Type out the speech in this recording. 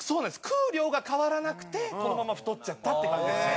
食う量が変わらなくてこのまま太っちゃったって感じですね